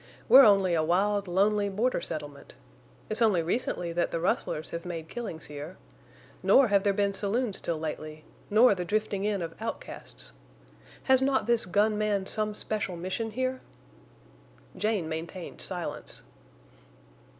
We're only a wild, lonely border settlement. It's only recently that the rustlers have made killings here. Nor have there been saloons till lately, nor the drifting in of outcasts. Has not this gun man some special mission here?" Jane maintained silence.